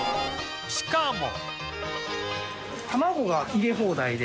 しかも